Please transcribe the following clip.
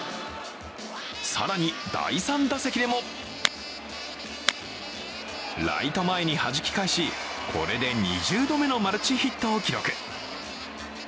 更に第３打席でもライト前にはじき返し、これで２０度目のマルチヒットを記録。